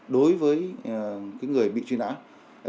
đối với người bị truy nã